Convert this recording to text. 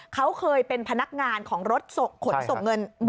เขาเคยเป็นพนักงานของรถขนส่งเงินบริษัทนี่